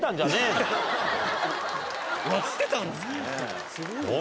やってたんですかね。